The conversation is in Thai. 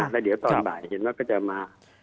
แล้วเดี๋ยวตอนบ่ายเห็นว่าก็จะมา